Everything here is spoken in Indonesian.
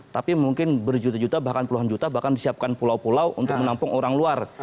tapi mungkin berjuta juta bahkan puluhan juta bahkan disiapkan pulau pulau untuk menampung orang luar